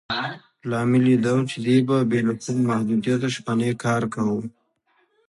لامل یې دا و چې دې به بې له کوم محدودیته شپنی کار کاوه.